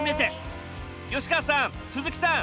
吉川さん鈴木さん